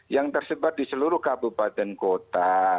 yang tersebar di seluruh kabupaten kota